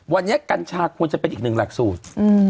วันนี้กัญชาควรจะเป็นอีกหนึ่งหลักสูตร